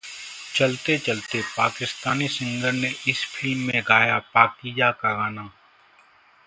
चलते चलते: पाकिस्तानी सिंगर ने इस फिल्म में गाया 'पाकीज़ा' का गाना